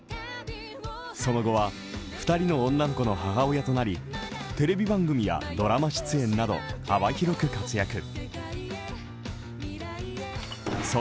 その後は２人の女の子の母親となり、テレビ番組やドラマ出演など幅広く活躍。